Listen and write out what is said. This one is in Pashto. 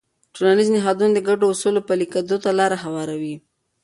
ټولنیز نهادونه د ګډو اصولو پلي کېدو ته لاره هواروي.